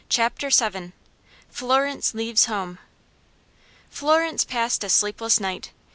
Chapter VII. Florence Leaves Home. Florence passed a sleepless night.